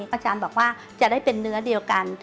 อาจารย์บอกว่าจะได้เป็นเนื้อเดียวกัน